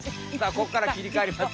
こっからきりかわります。